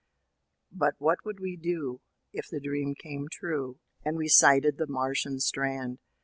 But what would we do if the dream came true, And we sighted the Martian strand?